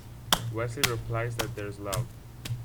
Wesley replies that There's love.